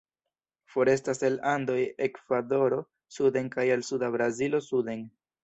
Forestas el Andoj el Ekvadoro suden kaj el suda Brazilo suden.